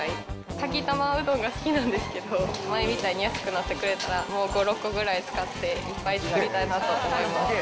かき玉うどんが好きなんですけど、前みたいに安くなってくれたら、もう５、６個ぐらい使って、いっぱい作りたいなと思います。